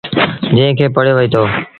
جݩهݩ کي پڙهيو وهيٚتو۔